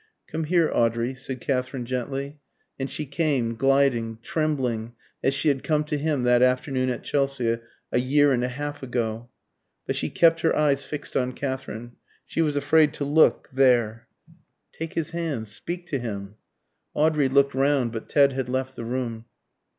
"Come here, Audrey," said Katherine, gently. And she came gliding, trembling, as she had come to him that afternoon at Chelsea, a year and a half ago. But she kept her eyes fixed on Katherine. She was afraid to look there. "Take his hand. Speak to him." Audrey looked round, but Ted had left the room.